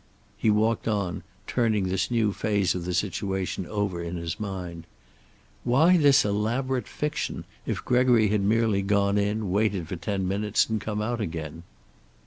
He walked on, turning this new phase of the situation over in his mind. Why this elaborate fiction, if Gregory had merely gone in, waited for ten minutes, and come out again?